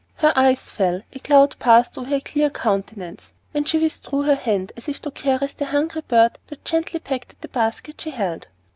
Her eyes fell, a cloud passed over her clear countenance, and she withdrew her hand, as if to caress the hungry bird that gently pecked at the basket she held.